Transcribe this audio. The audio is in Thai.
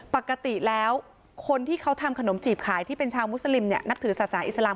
ปกติแล้วคนที่เขาทำขนมจีบขายที่เป็นชาวมุสลิมเนี่ยนับถือศาสนาอิสลาม